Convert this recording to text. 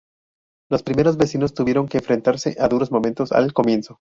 Los primeros vecinos tuvieron que enfrentarse a duros momentos al comienzo.